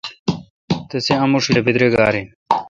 تسے°اموشیل اے°بیدرگََاراین۔